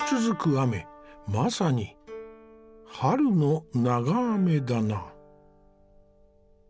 雨まさに春の長雨だな。